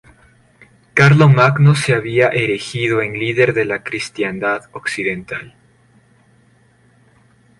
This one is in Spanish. Carlomagno se había erigido en líder de la cristiandad occidental.